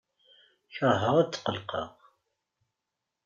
Keṛheɣ ad tqellqeɣ.